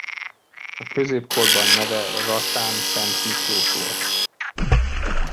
A középkorban neve Rasán-Szent-Miklós volt.